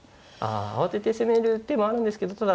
慌てて攻める手もあるんですけど。